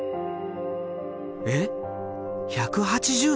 えっ１８０℃？